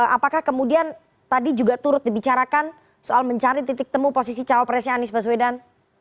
apakah kemudian tadi juga turut dibicarakan soal mencari titik temu posisi cawapresnya anies baswedan